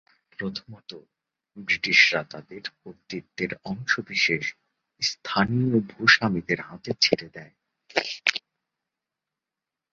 প্রথমত, ব্রিটিশরা তাদের কর্তৃত্বের অংশবিশেষ স্থানীয় ভূস্বামীদের হাতে ছেড়ে দেয়।